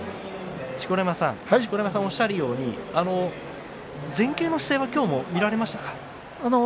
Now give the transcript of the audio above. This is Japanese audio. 錣山さんがおっしゃるように前傾の姿勢は今日も見られましたか？